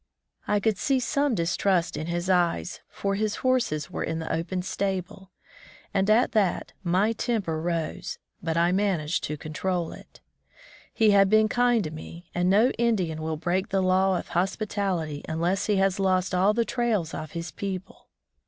I could see some distrust in his eyes, for his horses were in the open stable; and at that my temper rose, but I managed to control it. He had been kind to me, and no Indian will break S8 On the White MarCs Trail the law of hospitality unless he has lost all the trails of his people.